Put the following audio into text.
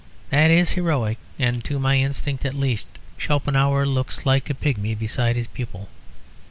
That is heroic; and to my instinct at least Schopenhauer looks like a pigmy beside his pupil.